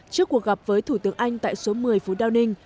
trước cuộc gặp với thủ tướng anh tại số một mươi phú đao ninh